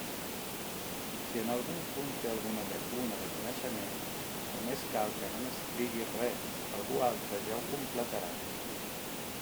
Si en algun punt té alguna llacuna de coneixement, només cal que no n'escrigui res: algú altre ja ho completarà.